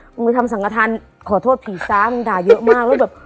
มึงไปทำสังกฐานขอโทษผีซะมึงด่าเยอะมากแล้วแบบ